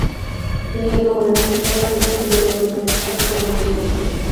তিনি এর প্রমাণের প্রচেষ্টা করেন একটি বৈপরীত্যের সাহায্যে প্রমাণের মাধ্যমে।